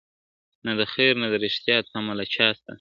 نه د خیر نه د ریشتیا تمه له چا سته `